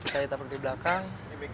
kita tabrak di belakang